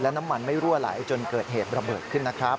น้ำมันไม่รั่วไหลจนเกิดเหตุระเบิดขึ้นนะครับ